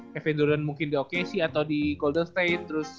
kevin durant mungkin di okc atau di golden state terus